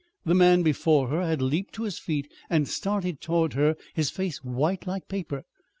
The man before her had leaped to his feet and started toward her, his face white like paper.